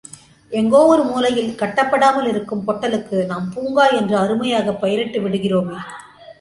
எங்கோ ஒரு மூலையில், கட்டப்படாமலிருக்கும் பொட்டலுக்கு, நாம் பூங்கா என்று அருமையாகப் பெயரிட்டு விடுகிறோமே.